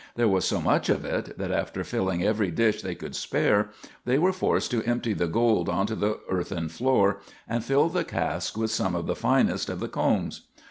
There was so much of it that, after filling every dish they could spare, they were forced to empty the gold on to the earthen floor, and fill the cask with some of the finest of the combs.